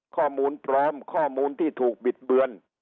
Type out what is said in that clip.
ข้อมูลปลอมข้อมูลที่ถูกบิดเบือน